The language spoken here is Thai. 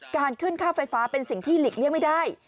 การขึ้นค่าไฟฟ้าเป็นสิ่งที่หลีกเลี่ยงไม่ได้